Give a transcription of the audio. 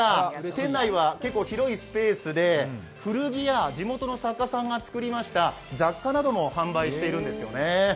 店内は結構広いスペースで古着や地元の作家さんが作りました雑貨なども販売してるんですよね。